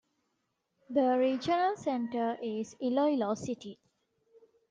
The regional center is Iloilo City.